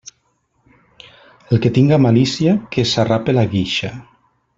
El que tinga malícia, que s'arrape la guixa.